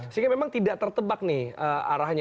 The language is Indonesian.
sehingga memang tidak tertebak nih arahnya